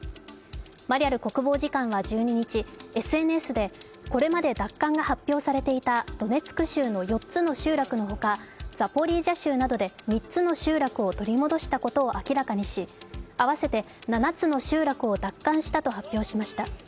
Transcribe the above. マリャル国防次官は１２日、ＳＮＳでこれまで奪還が発表されていたドネツク州の４つの集落のほか、ザポリージャ州などで３つの集落を取り戻したことを明らかにし合わせて７つの集落を奪還したと発表しました。